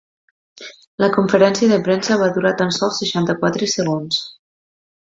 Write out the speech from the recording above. La conferència de premsa va durar tan sols seixanta-quatre segons.